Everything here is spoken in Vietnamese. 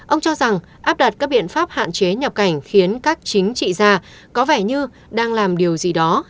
ông cho rằng áp đặt các biện pháp hạn chế nhập cảnh khiến các chính trị gia có vẻ như đang làm điều gì đó